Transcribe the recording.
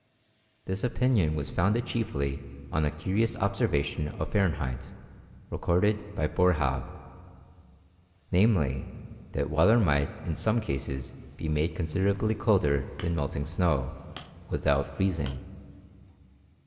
This opinion was founded chiefly on a curious observation of Fahrenheit, recorded by Boerhaave; namely, that water might in some cases be made considerably colder than melting snow, without freezing.